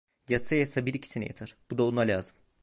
Yatsa yatsa bir iki sene yatar, bu da ona lazım…